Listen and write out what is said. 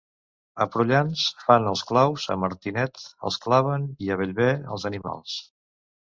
A Prullans fan els claus, a Martinet els claven, i a Bellver, els animals.